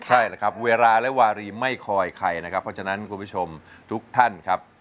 ใช่แล้วครับเวลาและวารีไม่คอยใครนะครับเพราะฉะนั้นคุณผู้ชมทุกท่านครับ